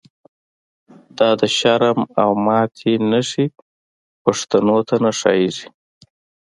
دا د شرم او ماتی نښی، پښتنو ته نه ښا ييږی